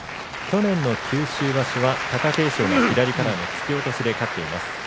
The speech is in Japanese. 去年の九州場所は貴景勝が左からの引き落としで勝っています。